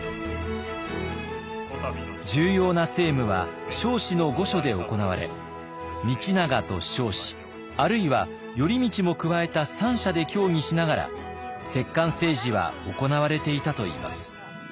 重要な政務は彰子の御所で行われ道長と彰子あるいは頼通も加えた三者で協議しながら摂関政治は行われていたといいます。